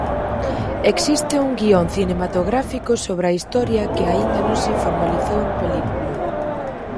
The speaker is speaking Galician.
Existe un guión cinematográfico sobre a historia que aínda non se formalizou en película.